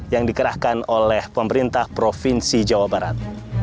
yang dikerahkan oleh pemerintah provinsi jawa barat